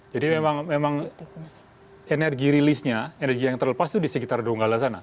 jadi memang energi rilisnya energi yang terlepas itu di sekitar donggala sana